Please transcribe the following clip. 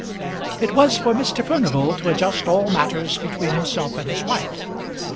It was for Mr. Furnival to adjust all matters between himself and his wife.